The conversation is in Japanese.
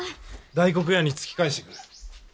大黒屋に突き返してくる。